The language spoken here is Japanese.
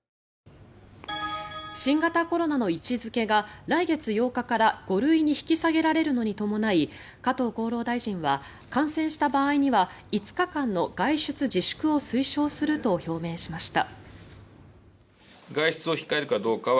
新型コロナの位置付けが来月８日から５類に引き下げられるのに伴い加藤厚労大臣は感染した場合には５日間の外出自粛を推奨すると表明しました。